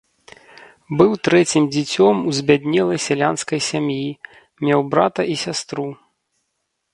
Быў трэцім дзіцем у збяднелай сялянскай сям'і, меў брата і сястру.